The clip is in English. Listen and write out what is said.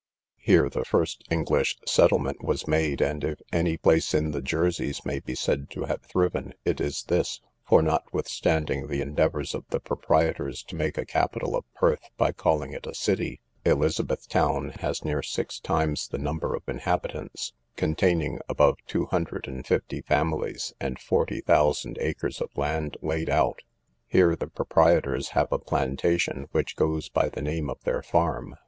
Here the first English settlement was made, and if any place in the Jerseys may be said to have thriven, it is this; for, notwithstanding the endeavours of the proprietors to make a capital of Perth, by calling it a city, Elizabeth town has near six times the number of inhabitants, containing above two hundred and fifty families, and forty thousand acres of land laid out. Here the proprietors have a plantation, which goes by the name of their farm.